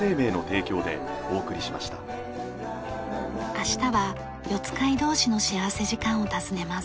明日は四街道市の幸福時間を訪ねます。